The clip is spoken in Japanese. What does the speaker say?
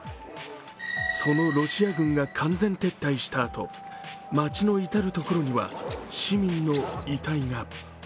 そのロシア軍が完全撤退したあと、街の至る所には市民の遺体が。